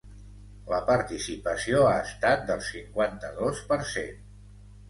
La participació ha estat del cinquanta-dos per cent.